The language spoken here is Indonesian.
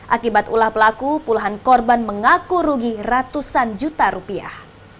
akibat ulah pelaku puluhan korban mengaku rugi ratusan juta rupiah